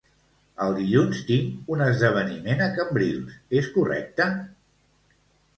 El dilluns tinc un esdeveniment a Cambrils; és correcte?